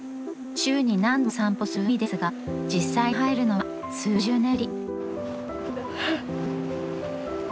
週に何度も散歩する海ですが実際に入るのは数十年ぶり。